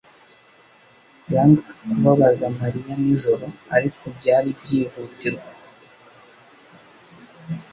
yangaga kubabaza Mariya nijoro, ariko byari byihutirwa.